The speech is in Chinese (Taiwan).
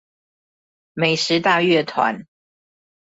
美食大樂團